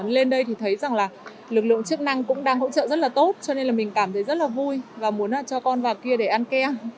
lên đây thì thấy rằng là lực lượng chức năng cũng đang hỗ trợ rất là tốt cho nên là mình cảm thấy rất là vui và muốn cho con vào kia để ăn ke